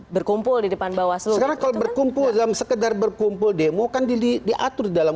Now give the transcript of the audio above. berkumpul di depan bawah sekarang kalau berkumpul dalam sekedar berkumpul demo kan di diatur dalam